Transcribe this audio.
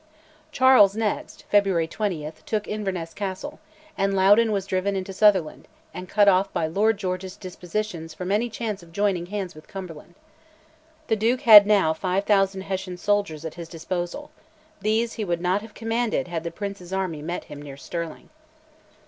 Charles next (February 20) took Inverness Castle, and Loudoun was driven into Sutherland, and cut off by Lord George's dispositions from any chance of joining hands with Cumberland. The Duke had now 5000 Hessian soldiers at his disposal: these he would not have commanded had the Prince's army met him near Stirling.